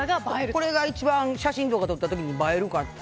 これが一番写真とか撮った時に映えるかなと。